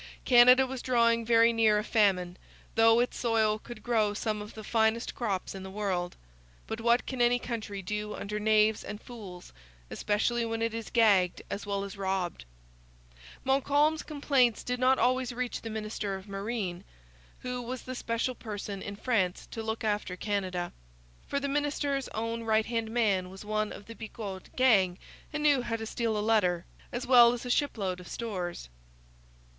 Canada was drawing very near a famine, though its soil could grow some of the finest crops in the world. But what can any country do under knaves and fools, especially when it is gagged as well as robbed? Montcalm's complaints did not always reach the minister of Marine, who was the special person in France to look after Canada; for the minister's own right hand man was one of the Bigot gang and knew how to steal a letter as well as a shipload of stores.